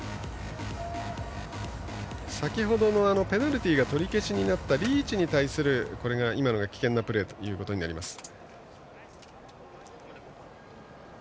先ほどのペナルティーが取り消しになったリーチに対する今のは危険なプレーとなります。